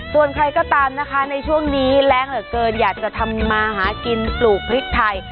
ส่วนใครก็ตามนะคะในช่วงนี้แรงเหลือเกินอยากจะทำมาหากินปลูกพริกไทย